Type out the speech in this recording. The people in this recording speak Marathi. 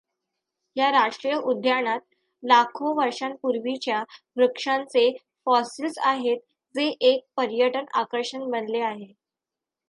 या राष्ट्रीय उद्यानात लाखो वर्षांपूर्वीच्या वृक्षांचे फॉसिल्स आहेत जे एक पर्यटन आकर्षण बनले आहे.